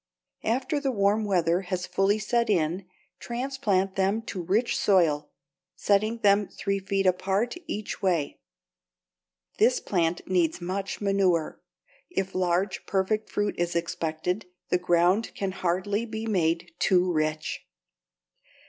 After the warm weather has fully set in, transplant them to rich soil, setting them three feet apart each way. This plant needs much manure. If large, perfect fruit is expected, the ground can hardly be made too rich.